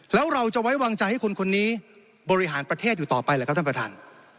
แล้วเราจะไว้วางใจให้คนคนนี้บริหารประเทศอยู่ต่อไปหรือครับท่านประธาน